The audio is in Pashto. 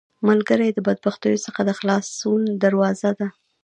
ملګری د بدبختیو څخه د خلاصون دروازه ده